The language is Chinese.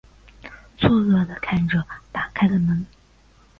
错愕的看着打开的门